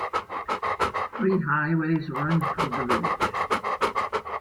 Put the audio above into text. Three highways run through the village.